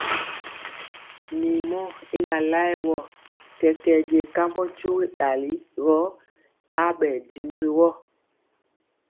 Mirmɔ y na laɛ wɔ, kɛkɛɛ je kambɔ tyugi dali gɔ abɛɛ dimi ri woo.